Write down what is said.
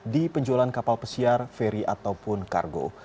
di penjualan kapal pesiar ferry ataupun kargo